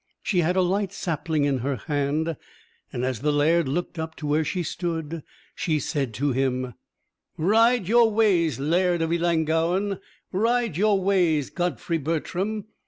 She had a light sapling in her hand, and as the laird looked up to where she stood, she said to him: "Ride your ways, Laird of Ellangowan! ride your ways, Godfrey Bertram!